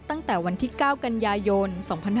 ตั้งแต่วันที่๙กันยายน๒๕๕๙